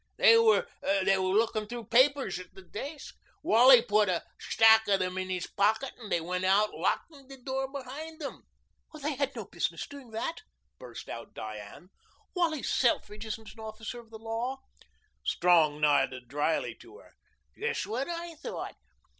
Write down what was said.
They were looking through papers at the desk. Wally put a stack of them in his pocket and they went out locking the door behind them." "They had no business doing that," burst out Diane. "Wally Selfridge isn't an officer of the law." Strong nodded dryly to her. "Just what I thought.